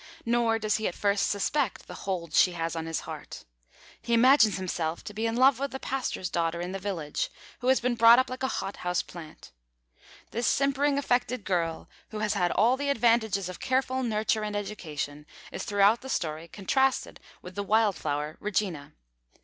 Nor does he at first suspect the hold she has on his heart. He imagines himself to be in love with the pastor's daughter in the village, who has been brought up like a hothouse plant. This simpering, affected girl, who has had all the advantages of careful nurture and education, is throughout the story contrasted with the wild flower, Regina.